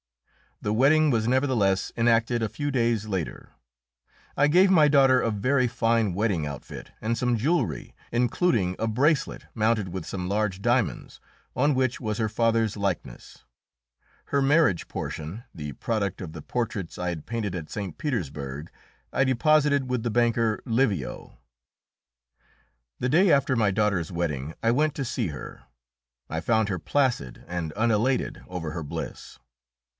The wedding was nevertheless enacted a few days later. I gave my daughter a very fine wedding outfit and some jewellery, including a bracelet, mounted with some large diamonds, on which was her father's likeness. Her marriage portion, the product of the portraits I had painted at St. Petersburg, I deposited with the banker Livio. The day after my daughter's wedding I went to see her. I found her placid and unelated over her bliss.